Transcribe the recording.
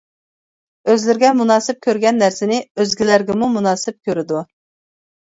ئۆزلىرىگە مۇناسىپ كۆرگەن نەرسىنى ئۆزگىلەرگىمۇ مۇناسىپ كۆرىدۇ.